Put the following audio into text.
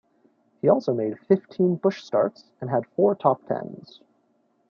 He also made fifteen Busch starts and had four top-tens.